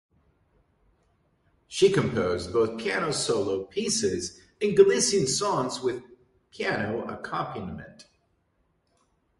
She composed both piano solo pieces and Galician songs with piano accompaniment.